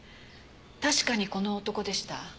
確かにこの男でした。